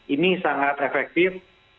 ini sangat efektif